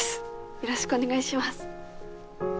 よろしくお願いします。